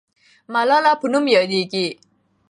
ملاله په نوم یادېږي.